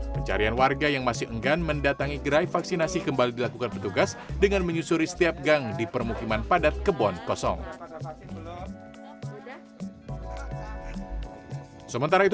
pencarian warga yang masih enggan mendatangi gerai vaksinasi kembali dilakukan petugas dengan menyusuri setiap gang di permukiman padat kebon kosong